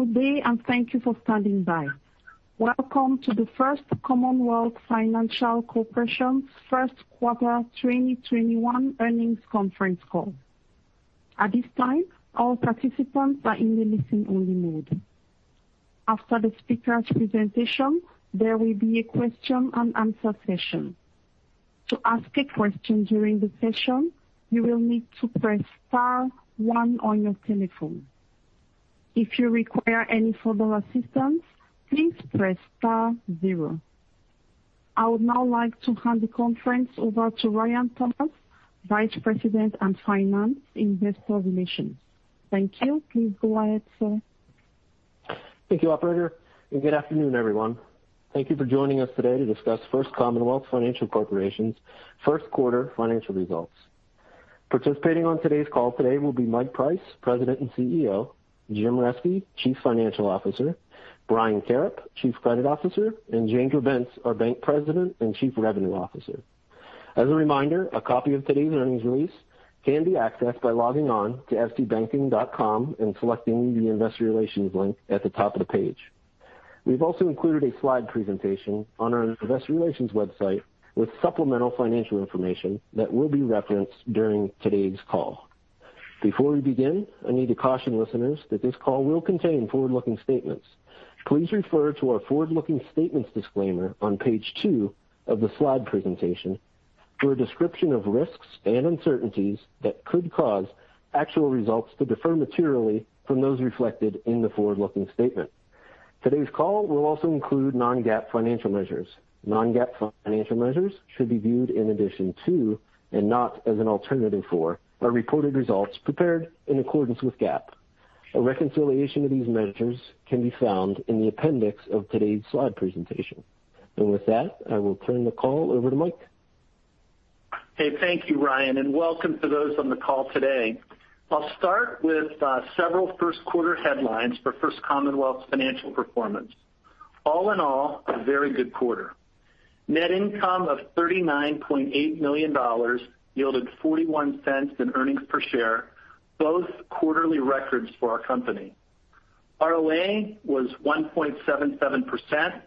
Good day, and thank you for standing by. Welcome to the First Commonwealth Financial Corporation's first quarter 2021 earnings conference call. At this time, all participants are in the listen-only mode. After the speaker's presentation, there will be a question and answer session. To ask a question during the session, you will need to press star one on your telephone. If you require any further assistance, please press star zero. I would now like to hand the conference over to Ryan Thomas, Vice President and Finance Investor Relations. Thank you. Please go ahead, sir. Thank you, operator, and good afternoon, everyone. Thank you for joining us today to discuss First Commonwealth Financial Corporation's first quarter financial results. Participating on today's call will be Mike Price, President and CEO; Jim Reske, Chief Financial Officer; Brian Karrip, Chief Credit Officer; and Jane Grebenc, our Bank President and Chief Revenue Officer. As a reminder, a copy of today's earnings release can be accessed by logging on to fcbanking.com and selecting the Investor Relations link at the top of the page. We've also included a slide presentation on our Investor Relations website with supplemental financial information that will be referenced during today's call. Before we begin, I need to caution listeners that this call will contain forward-looking statements. Please refer to our forward-looking statements disclaimer on page two of the slide presentation for a description of risks and uncertainties that could cause actual results to differ materially from those reflected in the forward-looking statement. Today's call will also include non-GAAP financial measures. Non-GAAP financial measures should be viewed in addition to, and not as an alternative for, our reported results prepared in accordance with GAAP. A reconciliation of these measures can be found in the appendix of today's slide presentation. With that, I will turn the call over to Mike. Hey, thank you, Ryan, and welcome to those on the call today. I'll start with several first quarter headlines for First Commonwealth's financial performance. All in all, a very good quarter. Net income of $39.8 million yielded $0.41 in earnings per share, both quarterly records for our company. ROA was 1.77%.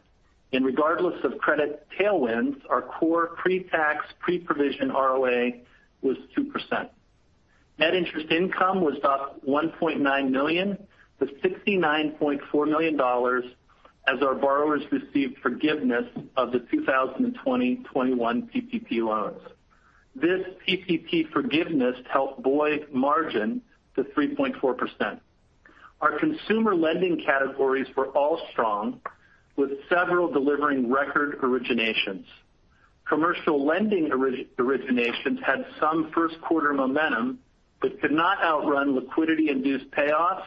Regardless of credit tailwinds, our core pre-tax, pre-provision ROA was 2%. Net interest income was up $1.9 million, with $69.4 million as our borrowers received forgiveness of the 2020-2021 PPP loans. This PPP forgiveness helped buoy margin to 3.4%. Our consumer lending categories were all strong, with several delivering record originations. Commercial lending originations had some first quarter momentum but could not outrun liquidity-induced payoffs,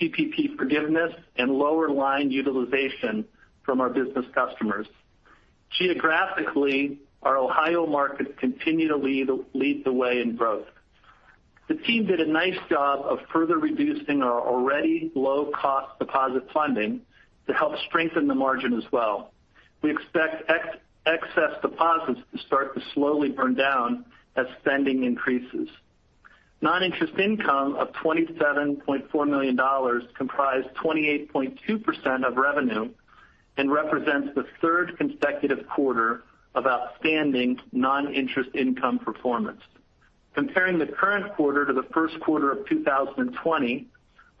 PPP forgiveness, and lower line utilization from our business customers. Geographically, our Ohio markets continue to lead the way in growth. The team did a nice job of further reducing our already low-cost deposit funding to help strengthen the margin as well. We expect excess deposits to start to slowly burn down as spending increases. Non-interest income of $27.4 million comprised 28.2% of revenue and represents the third consecutive quarter of outstanding non-interest income performance. Comparing the current quarter to the first quarter of 2020,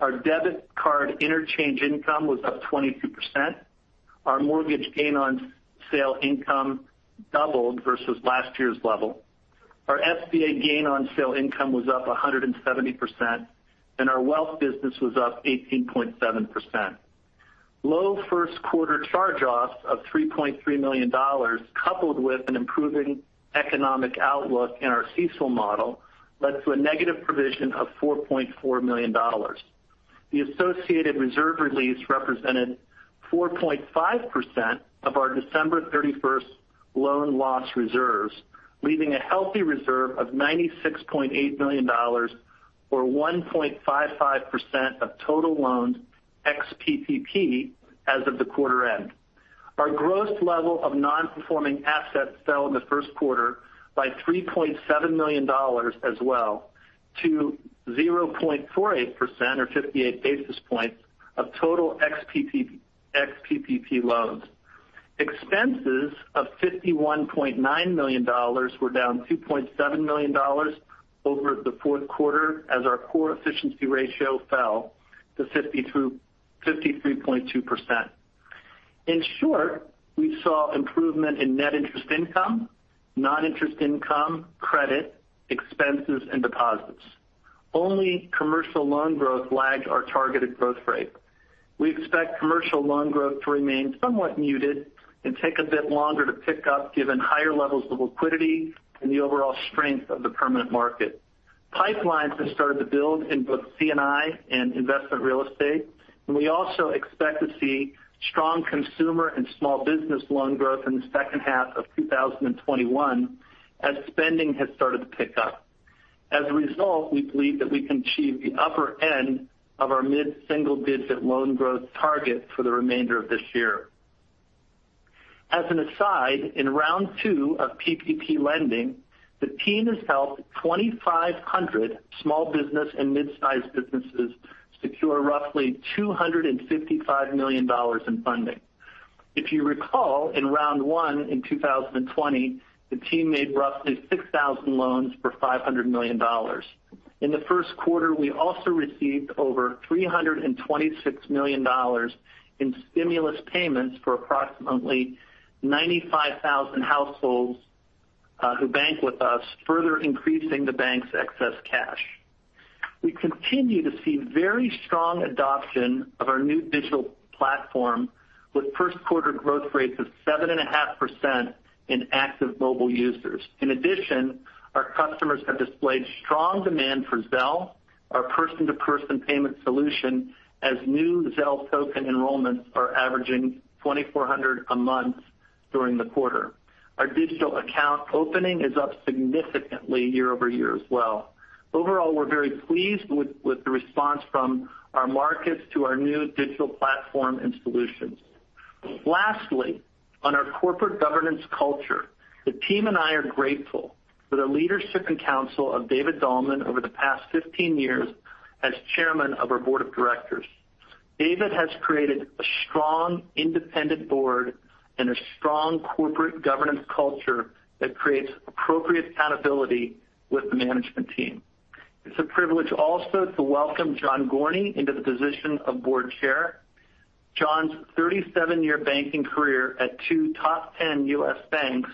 our debit card interchange income was up 22%. Our mortgage gain on sale income doubled versus last year's level. Our SBA gain on sale income was up 170%, and our wealth business was up 18.7%. Low first quarter charge-offs of $3.3 million, coupled with an improving economic outlook in our CECL model, led to a negative provision of $4.4 million. The associated reserve release represented 4.5% of our December 31st loan loss reserves, leaving a healthy reserve of $96.8 million, or 1.55% of total loans ex-PPP as of the quarter end. Our gross level of non-performing assets fell in the first quarter by $3.7 million as well to 0.48%, or 58 basis points of total ex-PPP loans. Expenses of $51.9 million were down $2.7 million over the fourth quarter as our core efficiency ratio fell to 53.2%. In short, we saw improvement in net interest income, non-interest income, credit, expenses, and deposits. Only commercial loan growth lagged our targeted growth rate. We expect commercial loan growth to remain somewhat muted and take a bit longer to pick up given higher levels of liquidity and the overall strength of the permanent market. Pipelines have started to build in both C&I and investment real estate, we also expect to see strong consumer and small business loan growth in the second half of 2021 as spending has started to pick up. As a result, we believe that we can achieve the upper end of our mid-single-digit loan growth target for the remainder of this year. As an aside, in round two of PPP lending, the team has helped 2,500 small business and mid-sized businesses secure roughly $255 million in funding. If you recall, in round one in 2020, the team made roughly 6,000 loans for $500 million. In the first quarter, we also received over $326 million in stimulus payments for approximately 95,000 households who bank with us, further increasing the bank's excess cash. We continue to see very strong adoption of our new digital platform, with first quarter growth rates of 7.5% in active mobile users. In addition, our customers have displayed strong demand for Zelle, our person-to-person payment solution, as new Zelle token enrollments are averaging 2,400 a month during the quarter. Our digital account opening is up significantly year-over-year as well. Overall, we're very pleased with the response from our markets to our new digital platform and solutions. Lastly, on our corporate governance culture, the team and I are grateful for the leadership and counsel of David Dahlmann over the past 15 years as chairman of our board of directors. David has created a strong, independent board and a strong corporate governance culture that creates appropriate accountability with the management team. It's a privilege also to welcome Jon Gorney into the position of Board Chair. Jon's 37-year banking career at two top 10 U.S. banks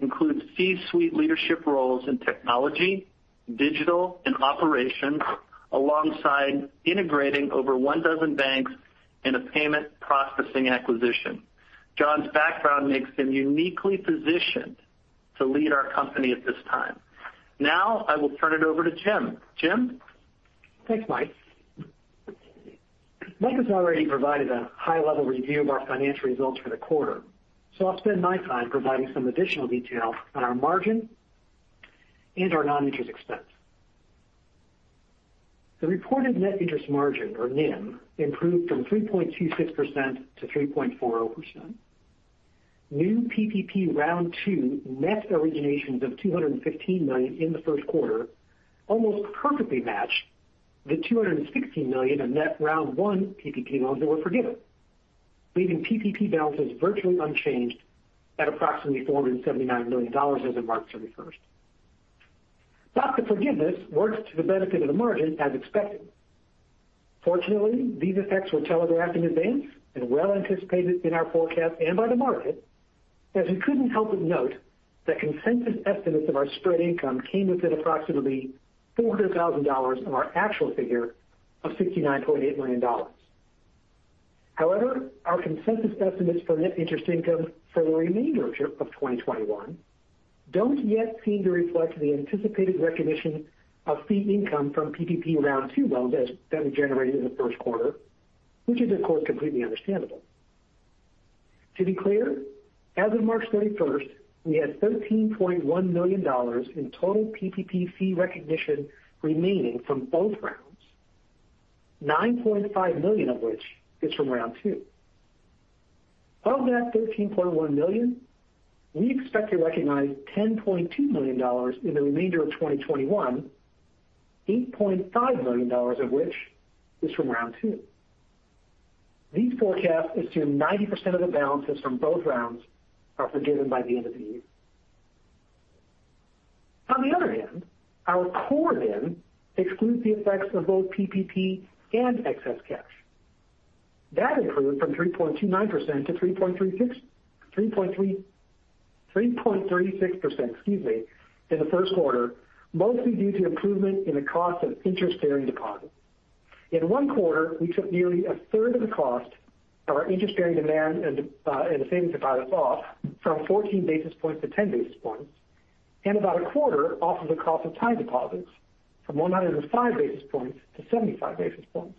includes C-suite leadership roles in technology, digital, and operations, alongside integrating over one dozen banks in a payment processing acquisition. Jon's background makes him uniquely positioned to lead our company at this time. Now, I will turn it over to Jim. Jim? Thanks, Mike. Mike has already provided a high-level review of our financial results for the quarter, I'll spend my time providing some additional detail on our margin and our non-interest expense. The reported net interest margin, or NIM, improved from 3.26%-3.40%. New PPP round two net originations of $215 million in the first quarter almost perfectly matched the $216 million of net round one PPP loans that were forgiven, leaving PPP balances virtually unchanged at approximately $479 million as of March 31st. Lots of forgiveness works to the benefit of the margin as expected. Fortunately, these effects were telegraphed in advance and well anticipated in our forecast and by the market, as we couldn't help but note that consensus estimates of our spread income came within approximately $400,000 of our actual figure of $69.8 million. However, our consensus estimates for net interest income for the remainder of 2021 don't yet seem to reflect the anticipated recognition of fee income from PPP round two loans that we generated in the first quarter, which is, of course, completely understandable. To be clear, as of March 31st, we had $13.1 million in total PPP fee recognition remaining from both rounds, $9.5 million of which is from round two. Of that $13.1 million, we expect to recognize $10.2 million in the remainder of 2021, $8.5 million of which is from round two. These forecasts assume 90% of the balances from both rounds are forgiven by the end of the year. On the other hand, our core NIM excludes the effects of both PPP and excess cash. That improved from 3.29%-3.36% in the first quarter, mostly due to improvement in the cost of interest-bearing deposits. In one quarter, we took nearly a third of the cost of our interest-bearing demand and savings deposits off from 14 basis points to 10 basis points, and about a quarter off of the cost of time deposits from 105 basis points to 75 basis points.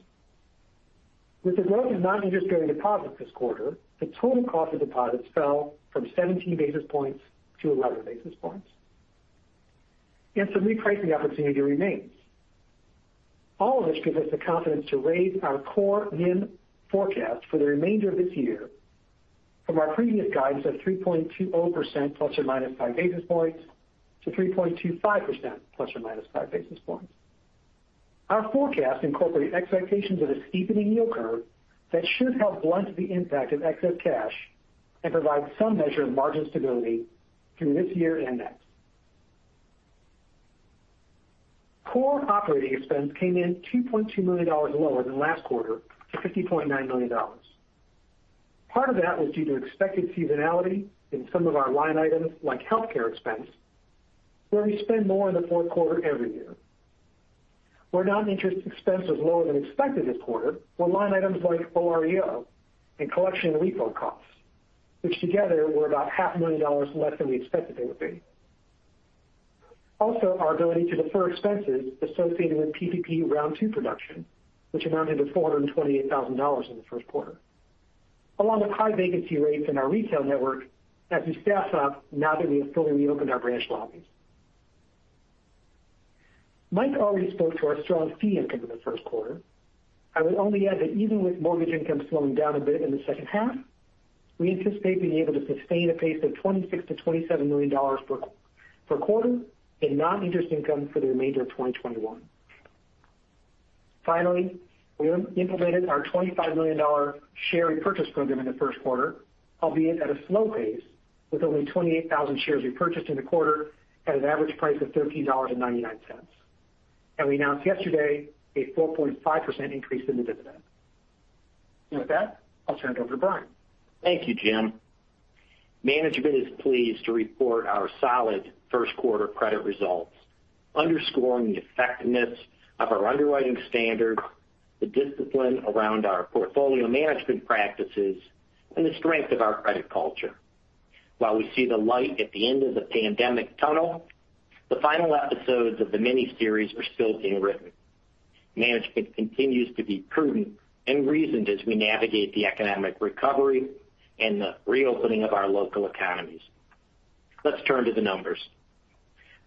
With the growth of non-interest-bearing deposits this quarter, the total cost of deposits fell from 17 basis points to 11 basis points, and some repricing opportunity remains. All of this gives us the confidence to raise our core NIM forecast for the remainder of this year from our previous guidance of 3.20% ±5 basis points to 3.25% ±5 basis points. Our forecast incorporates expectations of a steepening yield curve that should help blunt the impact of excess cash and provide some measure of margin stability through this year and next. Core operating expense came in $2.2 million lower than last quarter to $50.9 million. Part of that was due to expected seasonality in some of our line items like healthcare expense, where we spend more in the fourth quarter every year. Where non-interest expense was lower than expected this quarter were line items like OREO and collection repo costs, which together were about half a million dollars less than we expected they would be. Our ability to defer expenses associated with PPP round two production, which amounted to $428,000 in the first quarter, along with high vacancy rates in our retail network as we staff up now that we have fully reopened our branch lobbies. Mike already spoke to our strong fee income in the first quarter. I would only add that even with mortgage income slowing down a bit in the second half, we anticipate being able to sustain a pace of $26 million-$27 million per quarter in non-interest income for the remainder of 2021. Finally, we implemented our $25 million share repurchase program in the first quarter, albeit at a slow pace, with only 28,000 shares repurchased in the quarter at an average price of $13.99. We announced yesterday a 4.5% increase in the dividend. With that, I'll turn it over to Brian. Thank you, Jim. Management is pleased to report our solid first quarter credit results, underscoring the effectiveness of our underwriting standards, the discipline around our portfolio management practices, and the strength of our credit culture. While we see the light at the end of the pandemic tunnel, the final episodes of the miniseries are still being written. Management continues to be prudent and reasoned as we navigate the economic recovery and the reopening of our local economies. Let's turn to the numbers.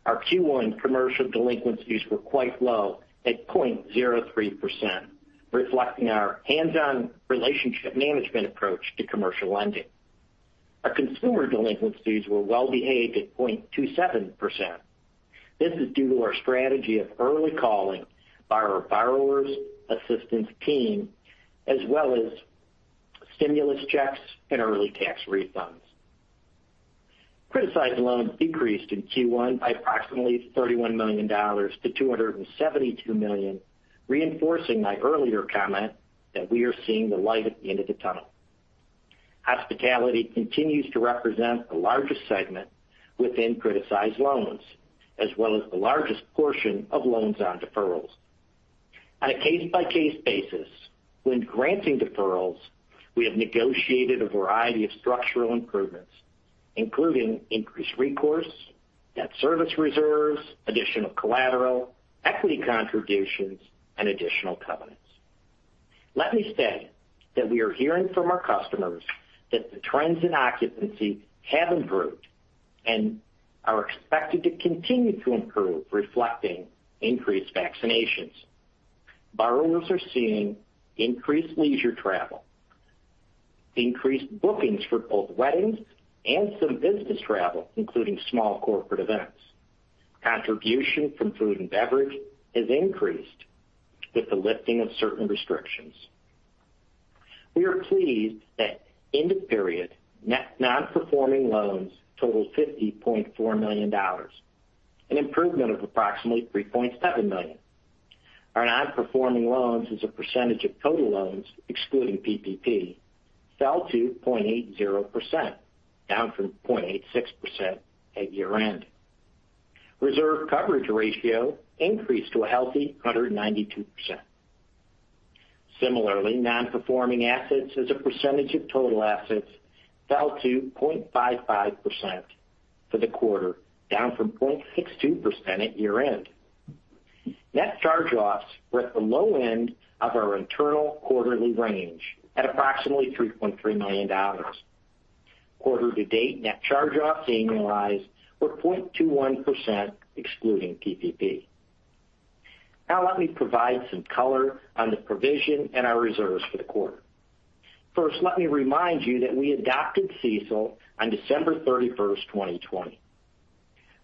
Our Q1 commercial delinquencies were quite low at 0.03%, reflecting our hands-on relationship management approach to commercial lending. Our consumer delinquencies were well-behaved at 0.27%. This is due to our strategy of early calling by our borrower's assistance team, as well as stimulus checks and early tax refunds. Criticized loans decreased in Q1 by approximately $31 million-$272 million, reinforcing my earlier comment that we are seeing the light at the end of the tunnel. Hospitality continues to represent the largest segment within criticized loans, as well as the largest portion of loans on deferrals. On a case-by-case basis, when granting deferrals, we have negotiated a variety of structural improvements, including increased recourse, debt service reserves, additional collateral, equity contributions, and additional covenants. Let me say that we are hearing from our customers that the trends in occupancy have improved and are expected to continue to improve, reflecting increased vaccinations. Borrowers are seeing increased leisure travel, increased bookings for both weddings and some business travel, including small corporate events. Contribution from food and beverage has increased with the lifting of certain restrictions. We are pleased that end of period, net non-performing loans totaled $50.4 million, an improvement of approximately $3.7 million. Our non-performing loans as a percentage of total loans, excluding PPP, fell to 0.80%, down from 0.86% at year-end. Reserve coverage ratio increased to a healthy 192%. Similarly, non-performing assets as a percentage of total assets fell to 0.55% for the quarter, down from 0.62% at year-end. Net charge-offs were at the low end of our internal quarterly range at approximately $3.3 million. Quarter to date net charge-offs annualized were 0.21%, excluding PPP. Let me provide some color on the provision and our reserves for the quarter. First, let me remind you that we adopted CECL on December 31st, 2020.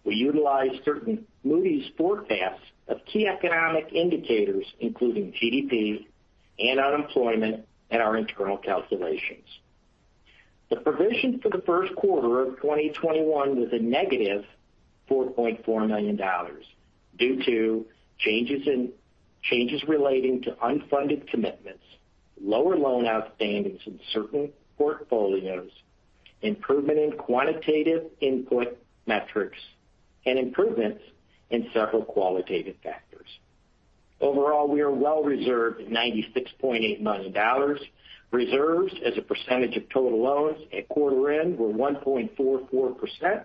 We utilized certain Moody's forecasts of key economic indicators, including GDP and unemployment, and our internal calculations. The provision for the first quarter of 2021 was a negative $4.4 million due to changes relating to unfunded commitments, lower loan outstandings in certain portfolios, improvement in quantitative input metrics, and improvements in several qualitative factors. Overall, we are well reserved at $96.8 million. Reserves as a percentage of total loans at quarter end were 1.44%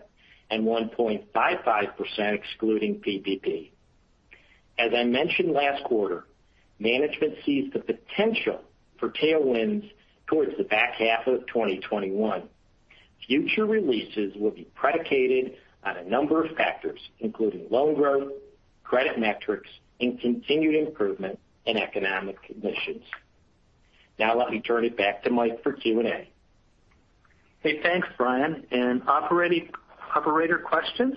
and 1.55% excluding PPP. As I mentioned last quarter, management sees the potential for tailwinds towards the back half of 2021. Future releases will be predicated on a number of factors, including loan growth, credit metrics, and continued improvement in economic conditions. Now let me turn it back to Mike for Q&A. Okay, thanks, Brian. Operator, questions?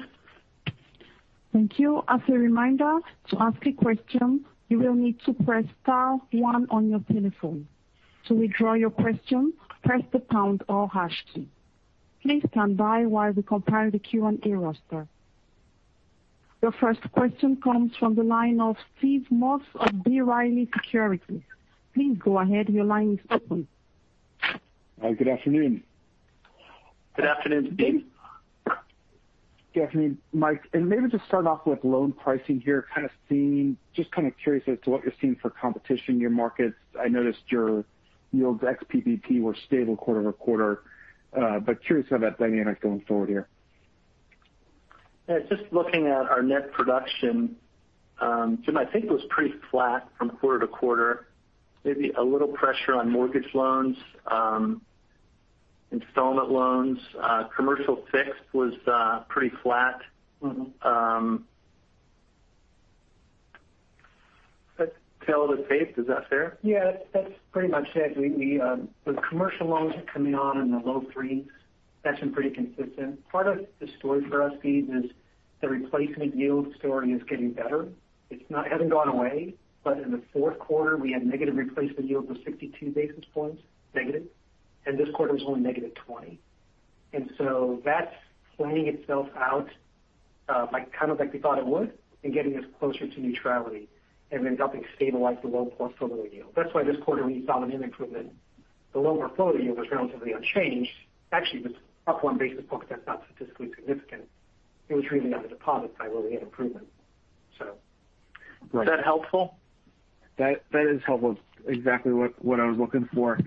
Thank you. As a reminder, to ask a question, you will need to press star one on your telephone. To withdraw your question, press the pound or hash key. Please stand by while we compile the Q&A roster. Your first question comes from the line of Steve Moss of B. Riley Securities. Please go ahead. Your line is open. Good afternoon. Good afternoon, Steve. Good afternoon, Mike. Maybe just start off with loan pricing here, just kind of curious as to what you're seeing for competition in your markets. I noticed your yields ex PPP were stable quarter-over-quarter. Curious how that dynamic going forward here. Yeah, just looking at our net production, Jim, I think it was pretty flat from quarter to quarter. Maybe a little pressure on mortgage loans. Installment loans. Commercial fixed was pretty flat. [Tail the pace], is that fair? Yeah, that's pretty much it. With commercial loans coming on in the low threes, that's been pretty consistent. Part of the story for us, Steve, is the replacement yield story is getting better. It hasn't gone away, but in the fourth quarter, we had negative replacement yield was -62 basis points, and this quarter was only -20 basis point. That's playing itself out like we thought it would in getting us closer to neutrality and then helping stabilize the loan portfolio yield. That's why this quarter we saw an improvement. The low portfolio was relatively unchanged. Actually, it was up one basis point, but that's not statistically significant. It was really on the deposits, where we had improvement. Right. Is that helpful? That is helpful. Exactly what I was looking for.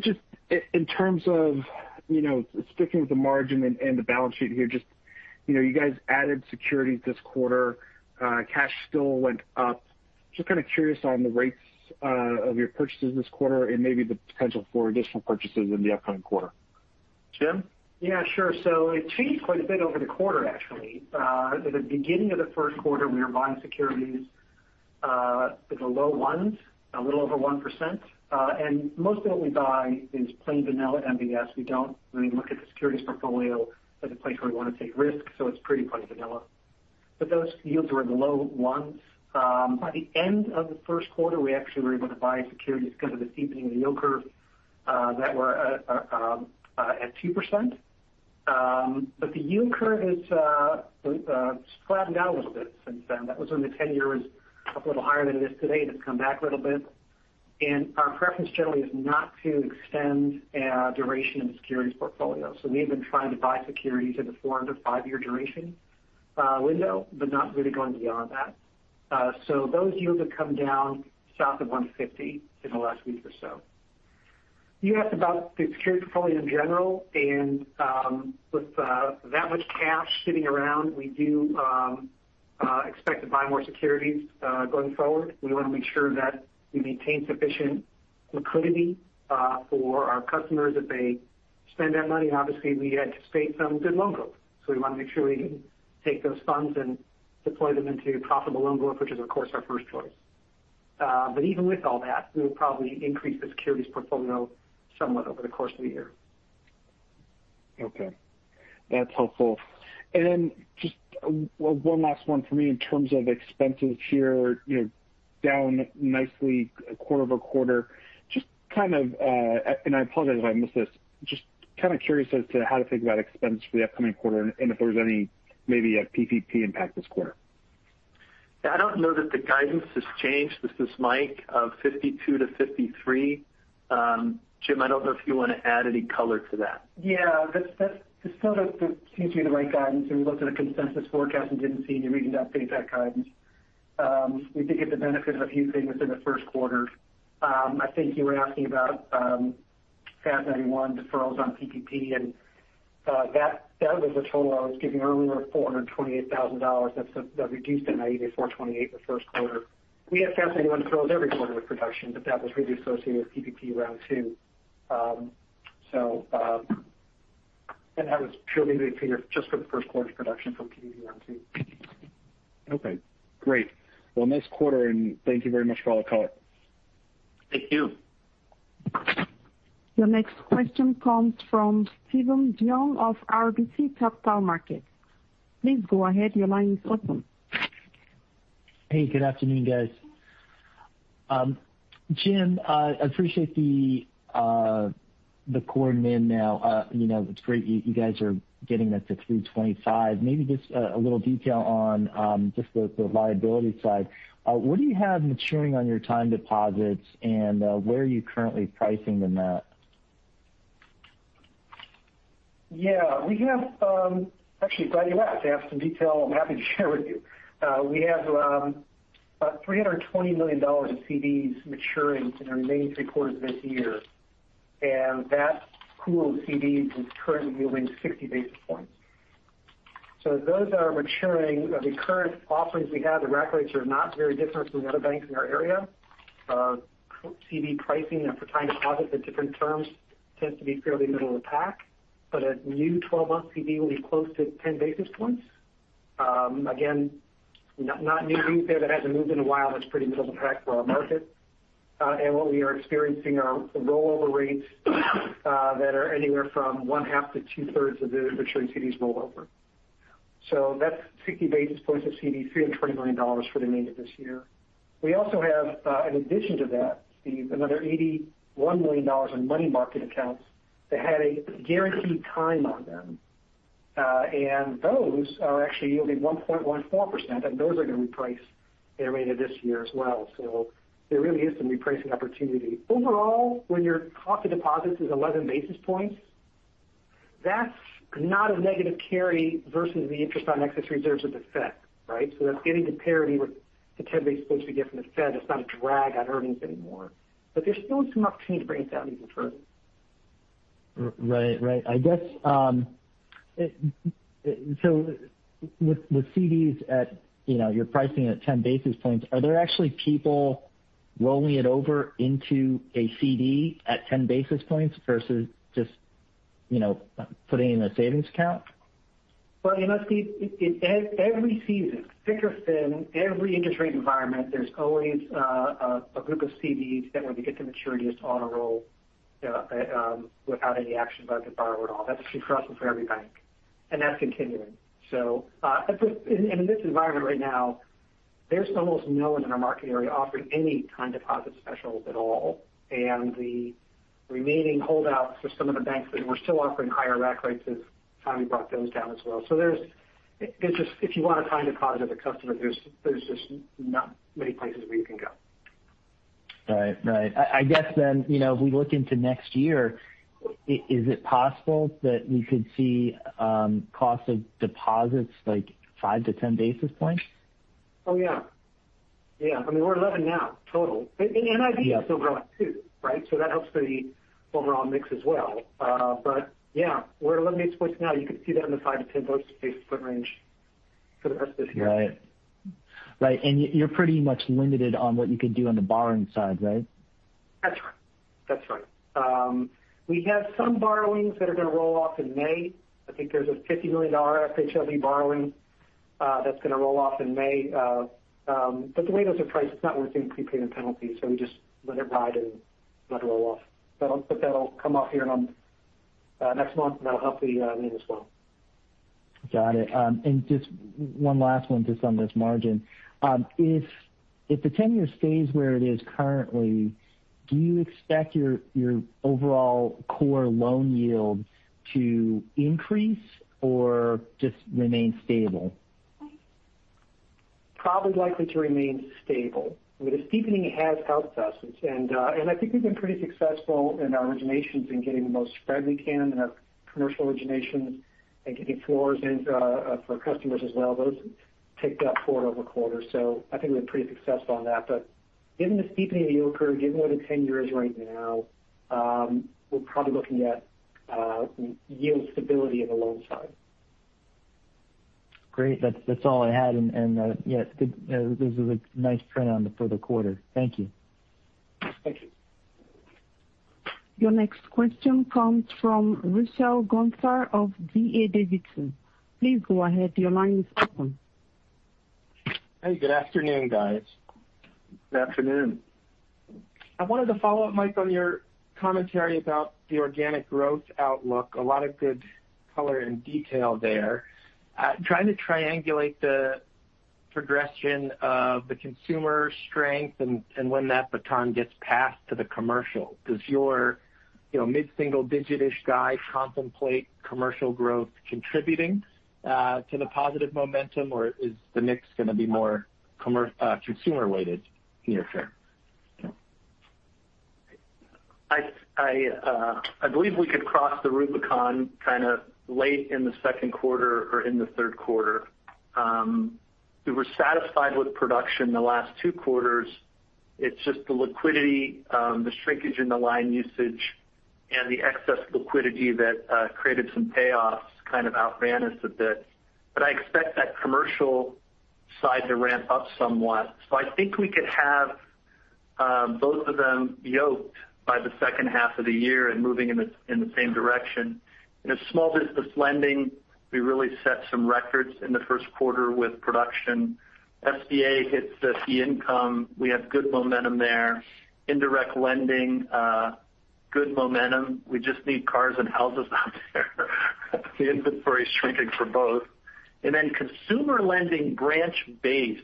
Just in terms of sticking with the margin and the balance sheet here, just you guys added securities this quarter. Cash still went up. Just kind of curious on the rates of your purchases this quarter and maybe the potential for additional purchases in the upcoming quarter. Jim? Yeah, sure. It changed quite a bit over the quarter, actually. At the beginning of the first quarter, we were buying securities at the low ones, a little over 1%. Most of what we buy is plain vanilla MBS. We don't really look at the securities portfolio as a place where we want to take risks, so it's pretty plain vanilla. Those yields were in the low ones. By the end of the first quarter, we actually were able to buy securities because of the steepening of the yield curve that were at 2%. The yield curve has flattened out a little bit since then. That was when the 10-year was up a little higher than it is today, and it's come back a little bit. Our preference generally is not to extend duration in the securities portfolio. We've been trying to buy securities in the four- to five-year duration window, but not really going beyond that. Those yields have come down south of 150 in the last week or so. You asked about the security portfolio in general, and with that much cash sitting around, we do expect to buy more securities going forward. We want to make sure that we maintain sufficient liquidity for our customers if they spend their money, and obviously we anticipate some good loan growth. We want to make sure we can take those funds and deploy them into profitable loan growth, which is, of course, our first choice. Even with all that, we'll probably increase the securities portfolio somewhat over the course of the year. Okay. That's helpful. Just one last one for me in terms of expenses here, down nicely quarter-over-quarter. Just kind of, and I apologize if I missed this, just kind of curious as to how to think about expense for the upcoming quarter and if there was any, maybe a PPP impact this quarter. I don't know that the guidance has changed. This is Mike, 52-53. Jim, I don't know if you want to add any color to that. Yeah. That still seems to be the right guidance. When we looked at a consensus forecast and didn't see any reason to update that guidance. We did get the benefit of a few things in the first quarter. I think you were asking about [ASC 958 deferrals] on PPP, and that was the total I was giving earlier of $428,000. That reduced to [$84.28] the first quarter. We have [ASC 958 deferrals] every quarter with production, but that was really associated with PPP round two. That was purely to appear just for the first quarter's production from PPP round two. Okay, great. Well, nice quarter. Thank you very much for all the color. Thank you. Your next question comes from Steven Duong of RBC Capital Markets. Please go ahead. Your line is open. Hey, good afternoon, guys. Jim, I appreciate the core NIM now. It is great you guys are getting that to 325. Maybe just a little detail on just the liability side. What do you have maturing on your time deposits, and where are you currently pricing them at? Actually, I'm glad you asked. I have some detail I'm happy to share with you. We have about $320 million in CDs maturing in the remaining three quarters of this year, and that pool of CDs is currently yielding 60 basis points. Those that are maturing, the current offerings we have, the rates are not very different from the other banks in our area. CD pricing for time deposits at different terms tends to be fairly middle of the pack, but a new 12-month CD will be close to 10 basis points. Again, not new there, that hasn't moved in a while. That's pretty middle of the pack for our market. What we are experiencing are rollover rates that are anywhere from 1/2 to 2/3 of the maturing CDs rollover. That's 60 basis points of CD, $320 million for the remainder of this year. We also have, in addition to that, Steve, another $81 million in money market accounts that had a guaranteed time on them. Those are actually yielding 1.14%, and those are going to reprice later this year as well. There really is some repricing opportunity. Overall, when your cost of deposit is 11 basis points, that's not a negative carry versus the interest on excess reserves of the Fed, right? That's getting to parity with the 10 basis points we get from the Fed. It's not a drag on earnings anymore, but there's still some opportunity to bring it down even further. Right. I guess with CDs, you're pricing at 10 basis points. Are there actually people rolling it over into a CD at 10 basis points versus just putting it in a savings account? Well, you know, Steve, every season, thick or thin, every interest rate environment, there's always a group of CDs that when they get to maturity, just auto roll without any action by the borrower at all. That's true for us and for every bank, and that's continuing. In this environment right now, there's almost no one in our market area offering any time deposit specials at all, and the remaining holdouts for some of the banks that were still offering higher rack rates have finally brought those down as well. If you want to time deposit a customer, there's just not many places where you can go. Right. I guess, if we look into next year, is it possible that we could see cost of deposits like 5-10 basis points? Oh, yeah. I mean, we're 11 basis point now, total. right? That helps the overall mix as well. Yeah, we're 11 basis points now. You could see that in the 5-10 basis point range for the rest of the year. Right. You're pretty much limited on what you could do on the borrowing side, right? That's right. We have some borrowings that are going to roll off in May. I think there's a $50 million FHLB borrowing that's going to roll off in May. The way those are priced, it's not worth doing prepayment penalty, so we just let it ride and let it roll off. That'll come off here next month, and that'll help the NIM as well. Got it. Just one last one just on this margin. If the 10-year stays where it is currently, do you expect your overall core loan yield to increase or just remain stable? Probably likely to remain stable. The steepening has helped us. I think we've been pretty successful in our originations in getting the most spread we can in our commercial originations and getting floors in for customers as well. Those ticked up quarter-over-quarter. I think we're pretty successful on that. Given the steepening of the yield curve, given where the 10-year is right now, we're probably looking at yield stability on the loan side. Great. That's all I had. Yeah, this is a nice trend for the quarter. Thank you. Thank you. Your next question comes from Russell Gunther of D.A. Davidson. Please go ahead. Your line is open. Hey, good afternoon, guys. Good afternoon. I wanted to follow up, Mike, on your commentary about the organic growth outlook. A lot of good color and detail there. Trying to triangulate the progression of the consumer strength and when that baton gets passed to the commercial. Does your mid-single-digit-ish guide contemplate commercial growth contributing to the positive momentum, or is the mix going to be more consumer weighted near-term? I believe we could cross the Rubicon kind of late in the second quarter or in the third quarter. We were satisfied with production the last two quarters. It's just the liquidity, the shrinkage in the line usage, and the excess liquidity that created some payoffs kind of outran us a bit. I expect that commercial side to ramp up somewhat. I think we could have both of them yoked by the second half of the year and moving in the same direction. In a small business lending, we really set some records in the first quarter with production. SBA hits fee income. We have good momentum there. Indirect lending good momentum. We just need cars and houses out there. The inventory is shrinking for both. Then consumer lending branch-based,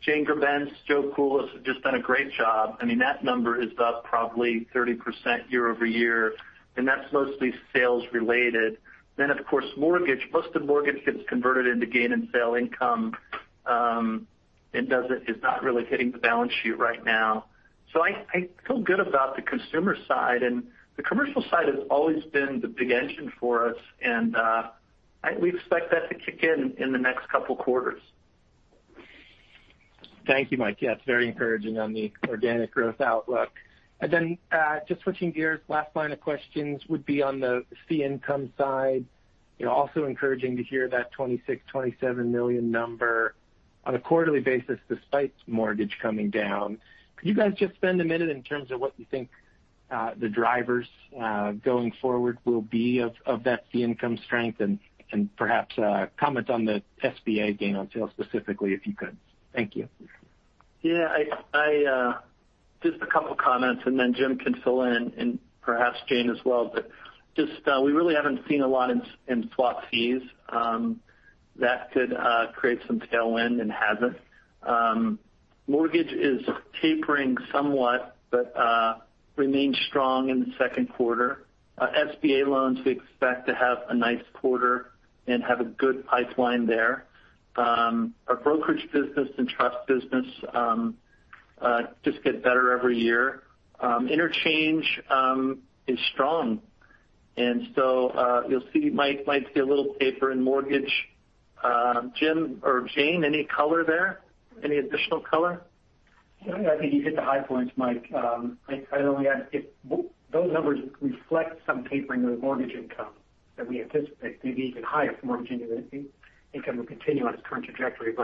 Jane Grebenc, Joe Kulas have just done a great job. I mean, that number is up probably 30% year-over-year, and that's mostly sales related. Of course, mortgage. Most of mortgage gets converted into gain on sale income and is not really hitting the balance sheet right now. I feel good about the consumer side, and the commercial side has always been the big engine for us, and we expect that to kick in in the next couple of quarters. Thank you, Mike. Yeah, it's very encouraging on the organic growth outlook. Just switching gears, last line of questions would be on the fee income side. Also encouraging to hear that $26 million, $27 million number on a quarterly basis, despite mortgage coming down. Could you guys just spend a minute in terms of what you think the drivers going forward will be of that fee income strength and perhaps comment on the SBA gain on sale specifically, if you could? Thank you. Just a couple of comments, and then Jim can fill in and perhaps Jane as well. We really haven't seen a lot in swap fees that could create some tailwind and hasn't. Mortgage is tapering somewhat but remains strong in the second quarter. SBA loans, we expect to have a nice quarter and have a good pipeline there. Our brokerage business and trust business just get better every year. Interchange is strong. You might see a little taper in mortgage. Jim or Jane, any color there? Any additional color? I think you hit the high points, Mike. I'd only add if those numbers reflect some tapering of the mortgage income that we anticipate may be even higher if mortgage income will continue on its current trajectory.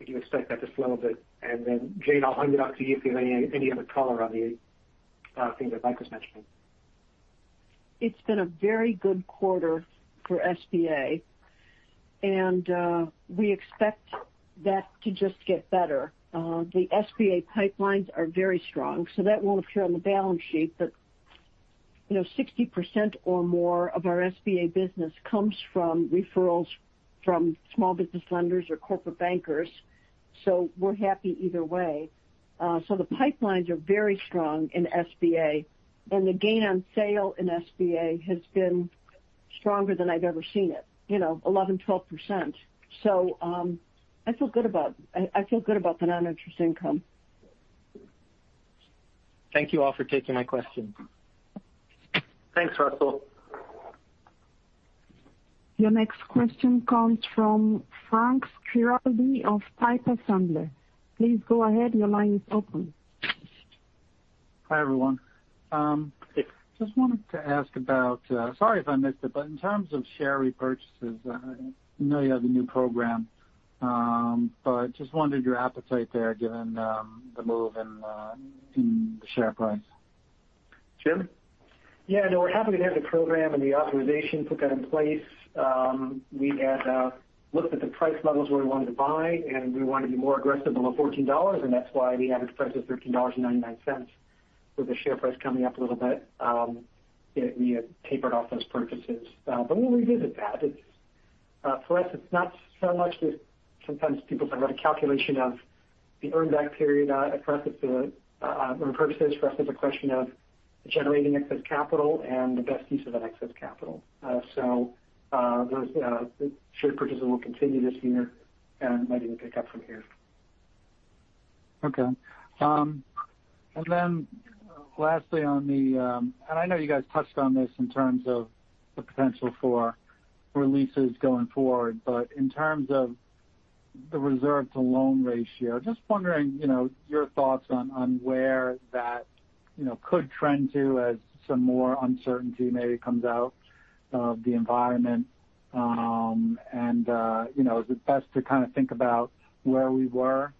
If you expect that to slow a bit, and then Jane, I'll hand it off to you if you have any other color on the things that Mike was mentioning. It's been a very good quarter for SBA. We expect that to just get better. The SBA pipelines are very strong, so that won't appear on the balance sheet. 60% or more of our SBA business comes from referrals from small business lenders or corporate bankers, so we're happy either way. The pipelines are very strong in SBA, and the gain on sale in SBA has been stronger than I've ever seen it, 11%-12%. I feel good about the non-interest income. Thank you all for taking my question. Thanks, Russell. Your next question comes from Frank Schiraldi of Piper Sandler. Please go ahead. Your line is open. Hi, everyone. Hey. Just wanted to ask sorry if I missed it, but in terms of share repurchases, I know you have the new program, but just wondered your appetite there, given the move in the share price. Jim? Yeah. No, we're happy to have the program and the authorization, put that in place. We had looked at the price levels where we wanted to buy, and we wanted to be more aggressive below $14, and that's why we had expressed the $13.99. With the share price coming up a little bit we had tapered off those purchases. We'll revisit that. For us, it's not so much that sometimes people have read a calculation of the earn back period. For us, it's a question of generating excess capital and the best use of that excess capital. Those share purchases will continue this year and might even pick up from here. Okay. Lastly, I know you guys touched on this in terms of the potential for releases going forward, but in terms of the reserve to loan ratio, just wondering your thoughts on where that could trend to as some more uncertainty maybe comes out of the environment. Is it best to kind of think about where we were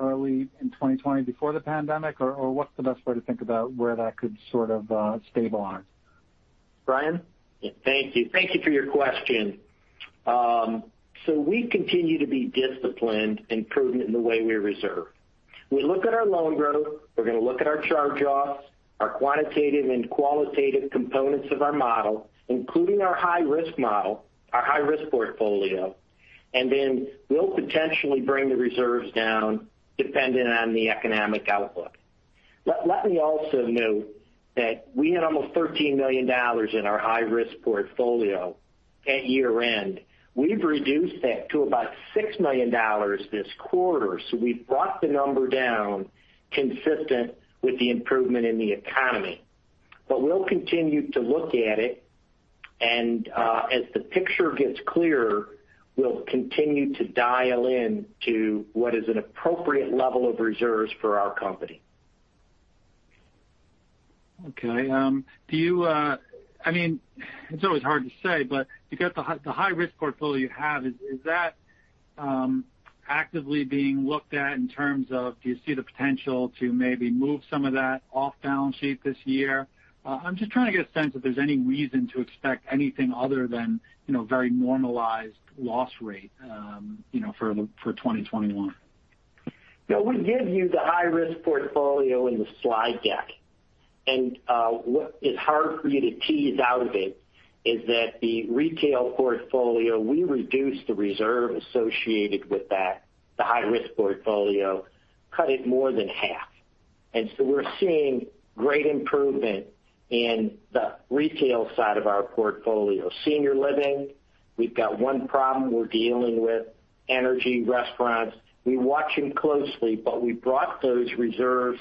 early in 2020 before the pandemic, or what's the best way to think about where that could sort of stabilize? Brian? Yeah. Thank you. Thank you for your question. We continue to be disciplined and prudent in the way we reserve. We look at our loan growth. We're going to look at our charge-offs, our quantitative and qualitative components of our model, including our high risk model, our high risk portfolio, and then we'll potentially bring the reserves down depending on the economic outlook. Let me also note that we had almost $13 million in our high risk portfolio at year-end. We've reduced that to about $6 million this quarter. We've brought the number down consistent with the improvement in the economy. We'll continue to look at it, and as the picture gets clearer, we'll continue to dial in to what is an appropriate level of reserves for our company. Okay. It's always hard to say, but the high risk portfolio you have, is that actively being looked at in terms of do you see the potential to maybe move some of that off balance sheet this year? I'm just trying to get a sense if there's any reason to expect anything other than very normalized loss rate for 2021. No, we give you the high risk portfolio in the slide deck. What is hard for you to tease out of it is that the retail portfolio, we reduced the reserve associated with that, the high risk portfolio, cut it more than half. We're seeing great improvement in the retail side of our portfolio. Senior living, we've got one problem we're dealing with. Energy, restaurants, we're watching closely, but we brought those reserves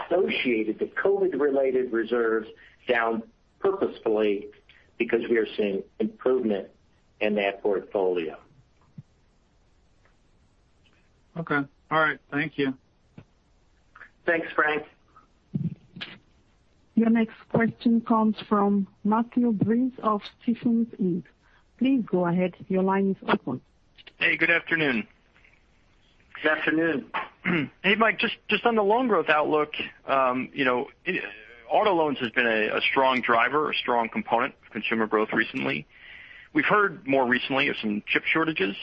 associated, the COVID related reserves down purposefully because we are seeing improvement in that portfolio. Okay. All right. Thank you. Thanks, Frank. Your next question comes from Matthew Breese of Stephens Inc. Please go ahead. Your line is open. Hey, good afternoon. Good afternoon. Hey, Mike, just on the loan growth outlook. Auto loans has been a strong driver, a strong component of consumer growth recently. We've heard more recently of some chip shortages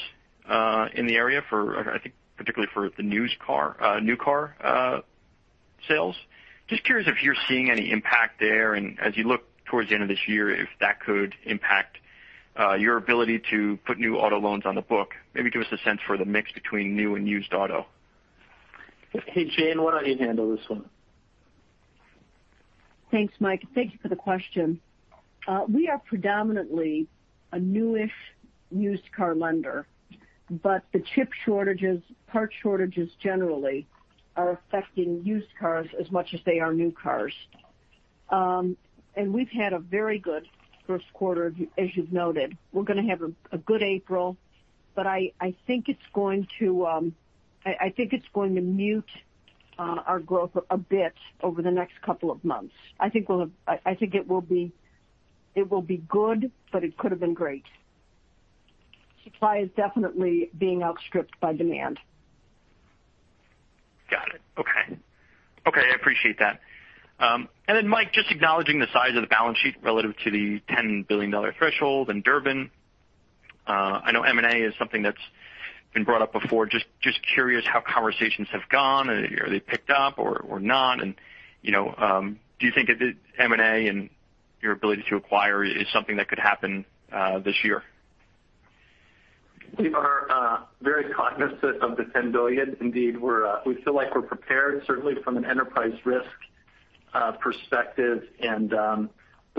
in the area for, I think particularly for the new car sales. Just curious if you're seeing any impact there, and as you look towards the end of this year, if that could impact your ability to put new auto loans on the book. Maybe give us a sense for the mix between new and used auto. Hey, Jane, why don't you handle this one? Thanks, Mike. Thank you for the question. We are predominantly a newish used car lender, but the chip shortages, part shortages generally are affecting used cars as much as they are new cars. We've had a very good first quarter, as you've noted. We're going to have a good April, but I think it's going to mute our growth a bit over the next couple of months. I think it will be good, but it could have been great. Supply is definitely being outstripped by demand. Got it. Okay. I appreciate that. Mike, just acknowledging the size of the balance sheet relative to the $10 billion threshold and Durbin. I know M&A is something that's been brought up before. Just curious how conversations have gone. Have they picked up or not? Do you think M&A and your ability to acquire is something that could happen this year? We are very cognizant of the $10 billion. Indeed, we feel like we're prepared, certainly from an enterprise risk perspective.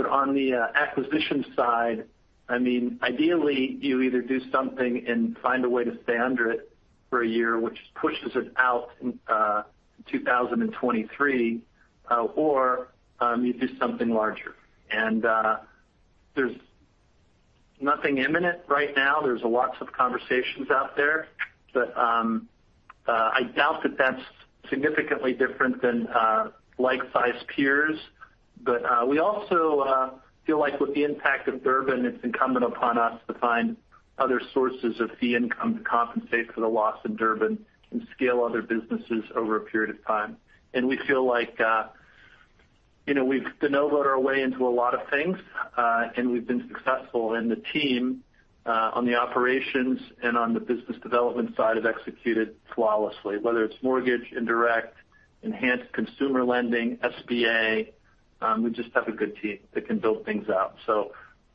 On the acquisition side, ideally, you either do something and find a way to stay under it for a year, which pushes it out in 2023. You do something larger. There's nothing imminent right now. There's lots of conversations out there, but I doubt that that's significantly different than like-sized peers. We also feel like with the impact of Durbin, it's incumbent upon us to find other sources of fee income to compensate for the loss in Durbin and scale other businesses over a period of time. We feel like we've de novo'd our way into a lot of things, and we've been successful. The team on the operations and on the business development side have executed flawlessly, whether it's mortgage, indirect, enhanced consumer lending, SBA. We just have a good team that can build things out.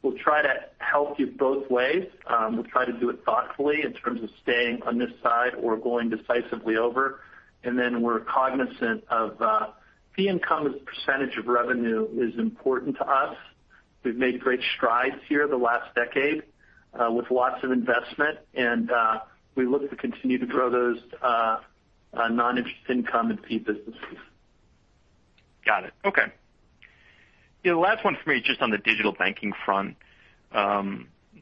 We'll try to help you both ways. We'll try to do it thoughtfully in terms of staying on this side or going decisively over. We're cognizant of fee income as a percentage of revenue is important to us. We've made great strides here the last decade with lots of investment, and we look to continue to grow those non-interest income and fee businesses. Got it. Okay. The last one for me, just on the digital banking front.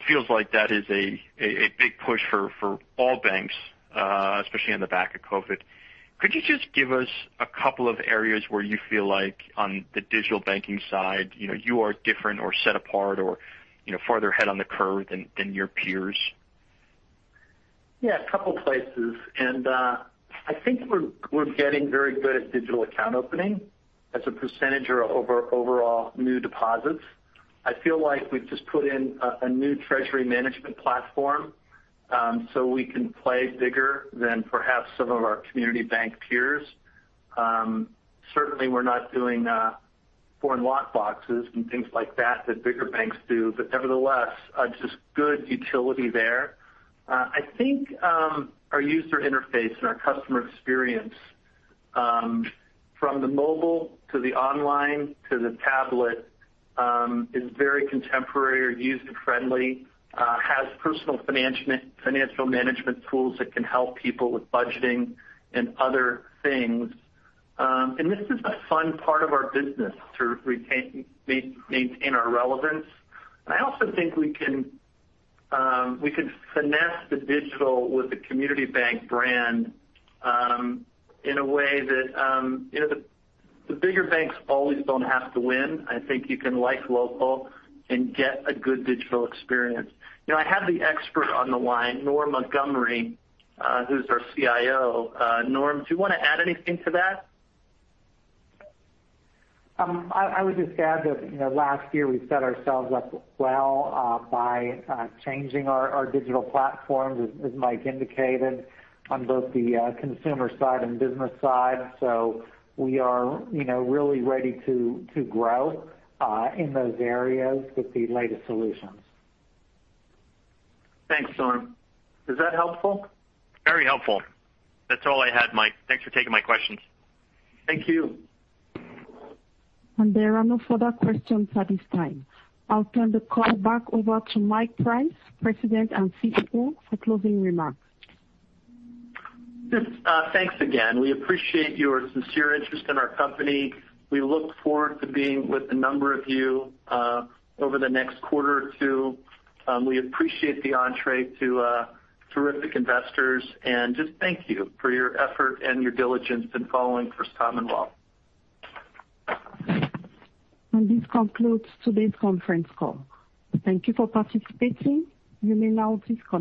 Feels like that is a big push for all banks, especially on the back of COVID. Could you just give us a couple of areas where you feel like on the digital banking side you are different or set apart or farther ahead on the curve than your peers? Yeah, a couple of places. I think we're getting very good at digital account opening as a percentage of our overall new deposits. I feel like we've just put in a new treasury management platform so we can play bigger than perhaps some of our community bank peers. Certainly, we're not doing foreign lockboxes and things like that bigger banks do. Nevertheless, just good utility there. I think our user interface and our customer experience from the mobile to the online to the tablet is very contemporary or user-friendly, has personal financial management tools that can help people with budgeting and other things. This is a fun part of our business to maintain our relevance. I also think we could finesse the digital with the community bank brand in a way that the bigger banks always don't have to win. I think you can like local and get a good digital experience. I have the expert on the line, Norm Montgomery, who's our CIO. Norm, do you want to add anything to that? I would just add that last year we set ourselves up well by changing our digital platforms, as Mike Price indicated, on both the consumer side and business side. We are really ready to grow in those areas with the latest solutions. Thanks, Norm. Is that helpful? Very helpful. That's all I had, Mike. Thanks for taking my questions. Thank you. There are no further questions at this time. I'll turn the call back over to Mike Price, President and CEO, for closing remarks. Thanks again. We appreciate your sincere interest in our company. We look forward to being with a number of you over the next quarter or two. We appreciate the entrée to terrific investors, and just thank you for your effort and your diligence in following First Commonwealth. This concludes today's conference call. Thank you for participating. You may now disconnect.